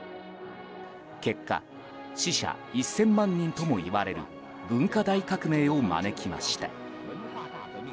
結果、死者１０００万人ともいわれる文化大革命を招きました。